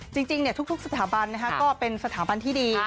จริงทุกสถาบันก็เป็นสถาบันที่ดี